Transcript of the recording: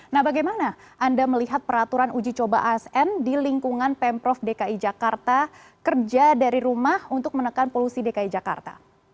nah bagaimana anda melihat peraturan uji coba asn di lingkungan pemprov dki jakarta kerja dari rumah untuk menekan polusi dki jakarta